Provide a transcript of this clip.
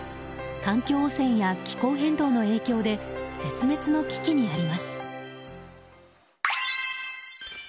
環境汚染や気候変動の影響で絶滅の危機にあります。